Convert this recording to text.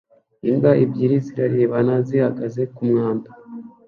Imbwa ebyiri zirarebana zihagaze kumwanda